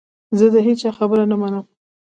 زه د هیچا خبره نه منم .